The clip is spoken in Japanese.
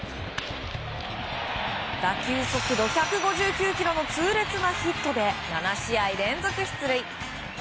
打球速度１５９キロの痛烈なヒットで７試合連続出塁。